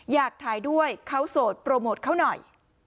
อยากถ่ายด้วยเขาโสดโปรโมทเขาหน่อย